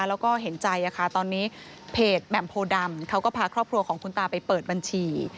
แล้วก็เห็นใจตอนนี้เพจแหม่มโพดำเขาก็พาครอบครัวของคุณตาไปเปิดบัญชี